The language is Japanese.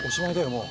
もう。